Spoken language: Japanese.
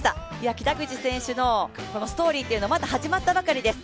北口選手のストーリーはまだ始まったばかりです。